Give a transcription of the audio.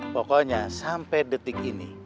pokoknya sampai detik ini